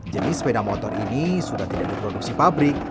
jadi sepeda motor ini sudah tidak diproduksi pabrik